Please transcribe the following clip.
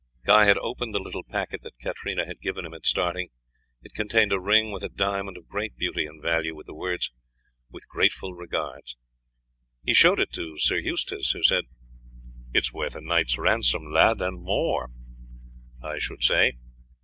Guy had opened the little packet that Katarina had given him at starting. It contained a ring with a diamond of great beauty and value, with the words "With grateful regards." He showed it to Sir Eustace, who said: "It is worth a knight's ransom, lad, and more, I should say.